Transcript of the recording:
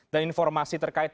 dan informasi terkait